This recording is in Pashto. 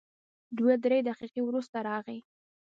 دوه تر درې دقیقې وروسته راغی.